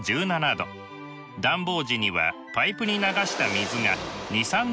暖房時にはパイプに流した水が２３度上昇し戻ってきます。